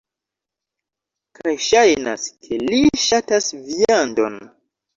Kaj ŝajnas, ke li ŝatas viandon.